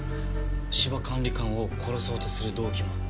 芝管理官を殺そうとする動機も。